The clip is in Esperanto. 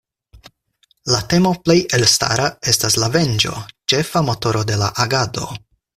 La temo plej elstara estas la venĝo, ĉefa motoro de la agado.